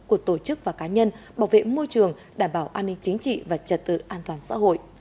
của tổ chức và cá nhân bảo vệ môi trường đảm bảo an ninh chính trị và trật tự an toàn xã hội